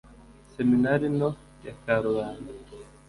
seminari nto ya karubanda